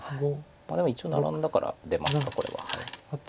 でも一応ナラんだから出ますかこれは。